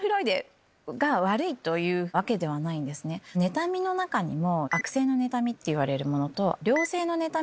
妬みの中にも。